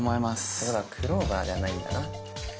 てことはクローバーではないんだな。